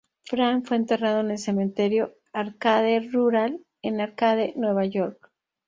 Fran fue enterrado en el Cementerio Arcade Rural en Arcade, Nueva York.